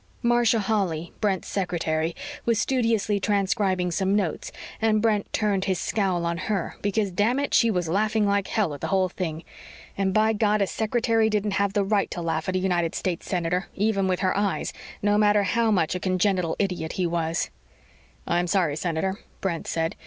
Marcia Holly, Brent's secretary, was studiously transcribing some notes and Brent turned his scowl on her because, damn it, she was laughing like hell at the whole thing. And, by God, a secretary didn't have the right to laugh at a United States Senator, even with her eyes, no matter how much a congenital idiot he was. "I'm sorry, Senator," Brent said.